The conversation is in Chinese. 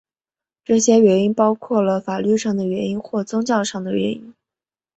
这些原因包括了法律上的原因或宗教上的原因。